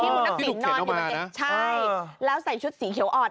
ที่คุณทักศิลป์นอน๑ใช่แล้วใส่ชุดสีเขียวออด